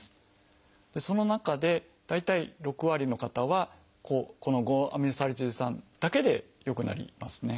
その中で大体６割の方はこの５−アミノサリチル酸だけで良くなりますね。